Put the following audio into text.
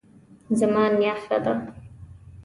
زما نیا ښه ده